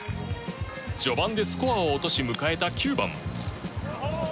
序盤でスコアを落とし迎えた９番。